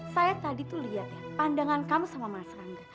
saya tadi tuh lihat ya pandangan kamu sama mas rangga